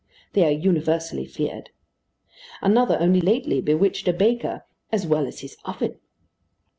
They are universally feared. Another only lately bewitched a baker "as well as his oven."